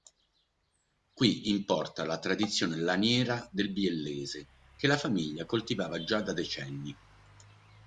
Qui importa la tradizione laniera del Biellese che la famiglia coltivava già da decenni.